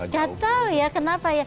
kan tahu ya kenapa ya